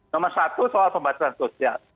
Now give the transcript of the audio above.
nomor satu soal pembatasan sosial